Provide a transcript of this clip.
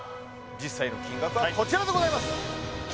実際の金額はこちらでございます